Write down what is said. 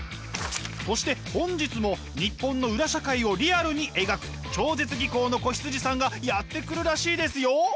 そして本日もニッポンの裏社会をリアルに描く超絶技巧の子羊さんがやって来るらしいですよ！